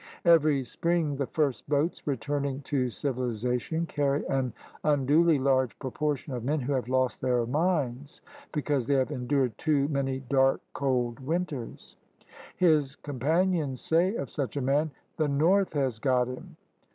Every spring the first boats returning to civilization carry an unduly large proportion of men who have lost their minds because they have endured too many dark, cold THE APPROACHES TO AMERICA 19 winters. His companions say of such a man, "The North has got him."